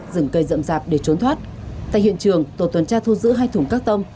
dừng cây rậm rạp để trốn thoát tại hiện trường tổ tuần tra thu giữ hai thùng các tông